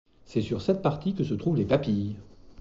C'est sur cette partie que se trouvent les papilles.